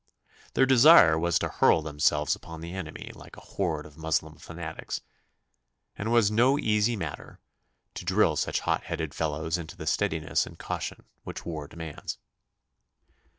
Their desire was to hurl themselves upon the enemy like a horde of Moslem fanatics, and it was no easy matter to drill such hot headed fellows into the steadiness and caution which war demands.